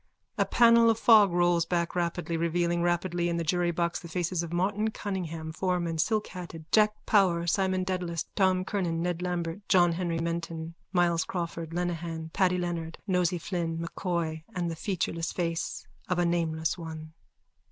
_(A panel of fog rolls back rapidly, revealing rapidly in the jurybox the faces of Martin Cunningham, foreman, silkhatted, Jack Power, Simon Dedalus, Tom Kernan, Ned Lambert, John Henry Menton, Myles Crawford, Lenehan, Paddy Leonard, Nosey Flynn, M'Coy and the featureless face of a Nameless One.)